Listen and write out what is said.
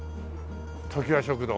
ときわ食堂。